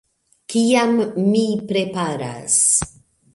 - Kiam mi preparas